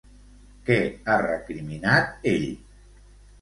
Què ha recriminat ell?